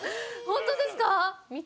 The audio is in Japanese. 本当ですか？